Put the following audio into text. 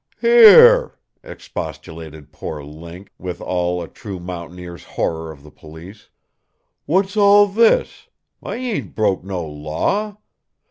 "Here!" expostulated poor Link, with all a true mountaineer's horror of the police. "What's all this? I ain't broke no law!